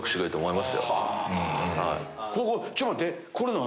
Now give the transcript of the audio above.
ちょっと待ってこれ何？